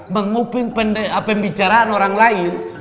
menguping pembicaraan orang lain